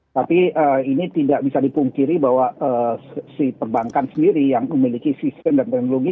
tapi ini tidak bisa dipungkiri bahwa si perbankan sendiri yang memiliki sistem dan teknologi